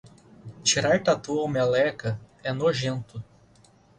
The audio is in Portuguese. Tirar tatu ou meleca é nojento